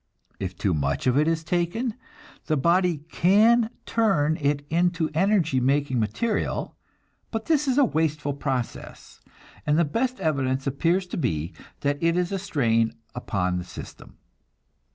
If too much of it is taken, the body can turn it into energy making material, but this is a wasteful process, and the best evidence appears to be that it is a strain upon the system.